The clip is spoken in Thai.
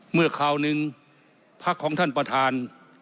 เมื่อคราวหนึ่งพระของท่านประธาน